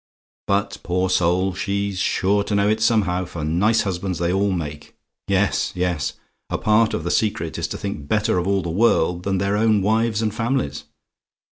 But, poor soul! she's sure to know it somehow for nice husbands they all make. Yes, yes; a part of the secret is to think better of all the world than their own wives and families.